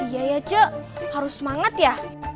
ya ya cek harus semangat ya